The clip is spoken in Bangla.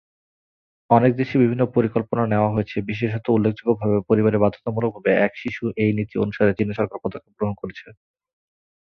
অনেক দেশে বিভিন্ন পরিকল্পনা নেওয়া হয়েছে, বিশেষত উল্লেখযোগ্যভাবে, পরিবারে বাধ্যতামূলকভাবে এক-শিশু- এই নীতি অনুসারে চীনা সরকার পদক্ষেপ গ্রহণ করেছে।